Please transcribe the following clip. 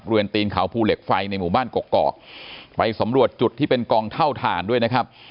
ตีนเขาภูเหล็กไฟในหมู่บ้านกกอกไปสำรวจจุดที่เป็นกองเท่าฐานด้วยนะครับ